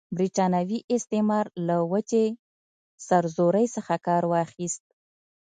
برټانوي استعمار له وچې سرزورۍ څخه کار واخیست.